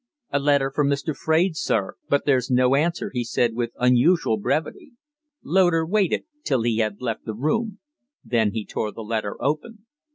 "A letter from Mr. Fraide, sir. But there's no answer," he said, with unusual brevity. Loder waited till he had left the room, then he tore the letter open.